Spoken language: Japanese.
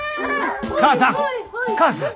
母さん母さん。